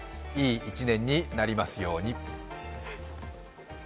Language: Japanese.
いい一年になりますように。